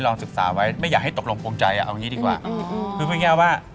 ตอนนี้อยู่ในช่วงของขาดค่ะ